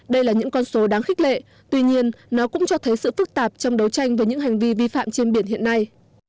đây là những con số đáng khích lệ tuy nhiên nó cũng cho thấy sự phức tạp trong đấu tranh về những hành vi vi phạm trên biển hiện nay